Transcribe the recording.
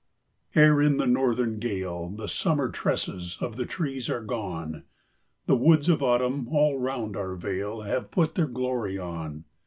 Ere, in the northern gale, The summer tresses of the trees are gone, The woods of Autumn, all around our vale, Have put their glory on.